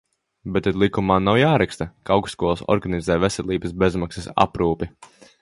Bet tad likumā nav jāraksta, ka augstskolas organizē veselības bezmaksas aprūpi.